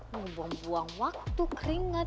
mau buang buang waktu keringat